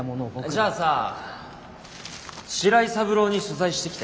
じゃあさ白井三郎に取材してきて。